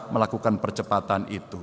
melakukan percepatan itu